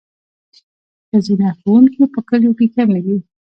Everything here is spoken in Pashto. ښځینه ښوونکي په کلیو کې کمې دي.